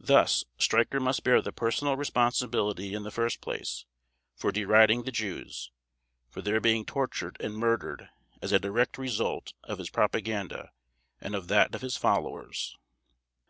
Thus, Streicher must bear the personal responsibility in the first place, for deriding the Jews, for their being tortured and murdered as a direct result of his propaganda and of that of his followers.